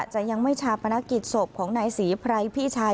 จะยังไม่ชาปนกิจศพของนายศรีไพรพี่ชาย